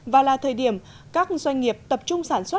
và là thời điểm các doanh nghiệp tập trung sản xuất